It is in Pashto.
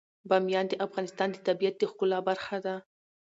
بامیان د افغانستان د طبیعت د ښکلا برخه ده.